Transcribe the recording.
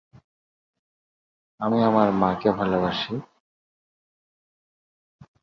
সংসদ সদস্য হিসাবে তিনি লোকসভায় আনুমানিক কমিটির দায়িত্ব পালন করেন।